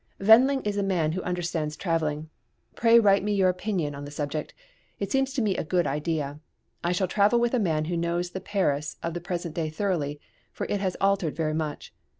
Wendling is a man who understands travelling. Pray write me your opinion on the subject. It seems to me a good idea. I shall travel with a man who knows the Paris of the present day thoroughly, for it has altered very much.